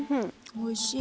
おいしい。